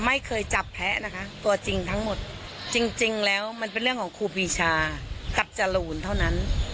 ไม่เคยจับแพ้นะคะตัวจริงทั้งหมดจริงแล้วมันเป็นเรื่องของครูปีชากับจรูนเท่านั้น